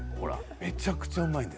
めちゃくちゃうまいです！